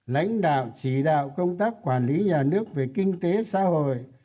lãnh đạo chỉ đạo công tác quản lý nhà nước về kinh tế xã hội